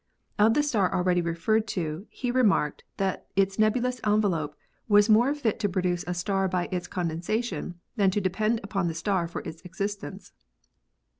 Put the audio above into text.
Of the star already referred to he remarked that its nebulous envelope 'was more fit to produce a star by its condensation than to depend upon the star for its existence.'